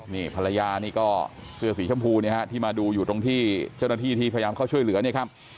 นี่ภรรยานี่ก็เสื้อสีชมพูเนี่ยฮะที่มาดูอยู่ตรงที่เจ้าหน้าที่ที่พยายามเข้าช่วยเหลือเนี่ยครับ